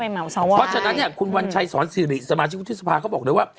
เพราะฉะนั้นเนี่ยคุณวัญชัยสอนสิริสมาชิกวุฒิสภาเขาบอกเลยว่า